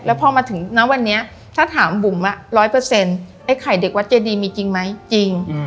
แล้วพอมาถึงณวันนี้ถ้าถามบุ๋ม๑๐๐ไอ้ไข่เด็กวัดเจดีมีจริงไหมจริง